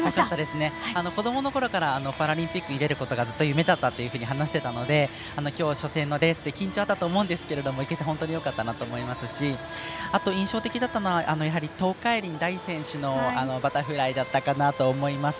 子どものころからパラリンピックに出ることがずっと夢だったと話していたので今日、初戦のレースで緊張あったと思いますが行けてよかったと思いますし印象的だったのは東海林大選手のバタフライだったかなと思います。